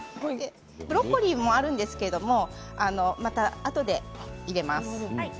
ブロッコリーもあるんですけれどまたあとで入れます。